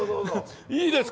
いいですか？